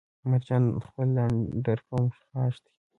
مرجان خيل د اندړ قوم خاښ دی